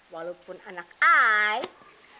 walaupun anak saya